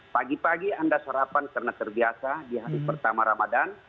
pagi pagi anda sarapan karena terbiasa di hari pertama ramadan